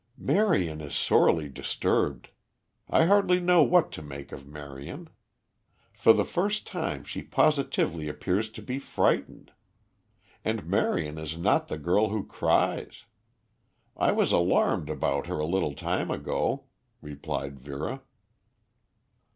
"Marion is sorely disturbed. I hardly know what to make of Marion. For the first time she positively appears to be frightened. And Marion is not the girl who cries. I was alarmed about her a little time ago," replied Vera.